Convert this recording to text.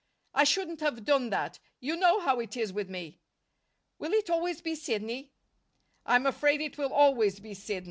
"I shouldn't have done that You know how it is with me." "Will it always be Sidney?" "I'm afraid it will always be Sidney."